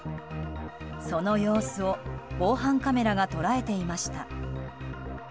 その様子を防犯カメラが捉えていました。